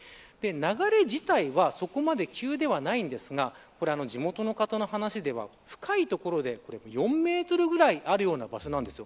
流れ自体はそこまで急ではないんですが地元の方の話では深い所で４メートルぐらいあるような場所です。